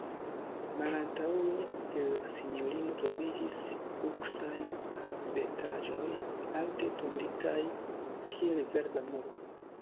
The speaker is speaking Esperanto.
Malantaŭe de la sinjorino troviĝis buksaj arbetaĵoj, arte tonditaj kiel verda muro.